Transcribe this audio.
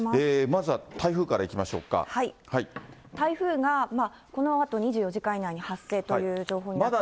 まずは台風からいきましょう台風が、このあと２４時間以内に発生という情報になっています。